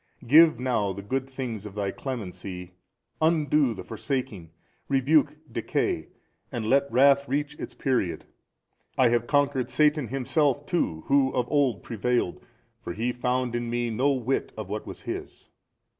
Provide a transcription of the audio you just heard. Give now the good things of Thy Clemency, undo the forsaking, rebuke decay and let wrath reach its period. I have conquered Satan himself too who of old prevailed, for he found in Me no whit of what was his.